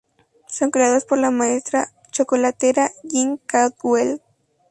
Son creados por la maestra chocolatera "Jin Caldwell".